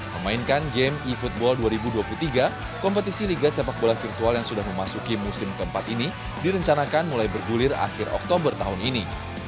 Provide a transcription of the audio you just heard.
memainkan game e football dua ribu dua puluh tiga kompetisi liga sepak bola virtual yang sudah memasuki musim keempat ini direncanakan mulai bergulir akhir oktober tahun ini